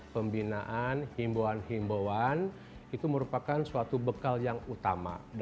pembinaan himbauan himbauan itu merupakan suatu bekal yang utama